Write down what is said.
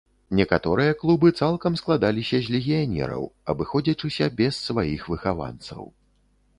Некаторыя клубы цалкам складаліся з легіянераў, абыходзячыся без сваіх выхаванцаў.